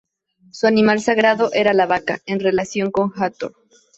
Su animal sagrado era la vaca, en relación con Hathor.